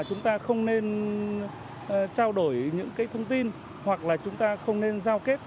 chúng ta không nên trao đổi những thông tin hoặc là chúng ta không nên giao kết